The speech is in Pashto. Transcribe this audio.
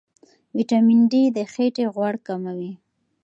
ویټامین ډي د خېټې غوړ کموي.